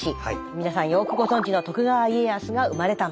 皆さんよくご存じの徳川家康が生まれた町。